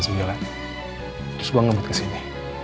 terus gue ngebut kesini